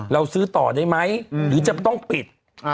เราซื้อต่อได้ไหมหรือจะต้องปิด